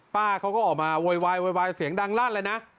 ป้าเขาก็ออกมาโวยวายโวยวายเสียงดังลั่นเลยนะ